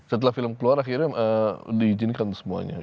setelah film keluar akhirnya diizinkan untuk semuanya